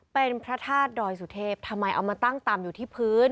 เป็นพระธาตุดอยสุเทพทำไมเอามาตั้งตำอยู่ที่พื้น